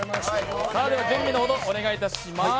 では準備のほど、お願いいたします。